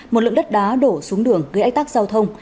một lượng đất đá đổ xuống đường gây ách tắc giao thông